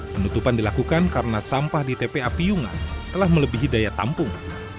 penutupan dilakukan karena sampah di tpa piyungan telah melebihi daya tampung